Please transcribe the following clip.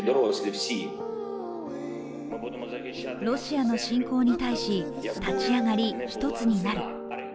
ロシアの侵攻に対し立ち上がり一つになる。